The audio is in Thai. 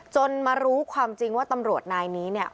มารู้ความจริงว่าตำรวจนายนี้เนี่ย